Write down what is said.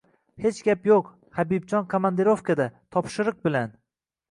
— Hech gap yo‘q! Habibjon komandirovkada. Topshiriq bilan…